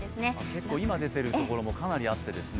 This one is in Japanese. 結構今出ているところもかなりありますね。